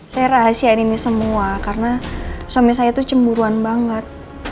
saya rahasiain ini semua karena suami saya itu cemburuan banget